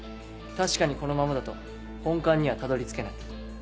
確かにこのままだと本館にはたどり着けない。